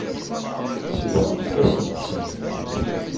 Sebɣent-asent-ten.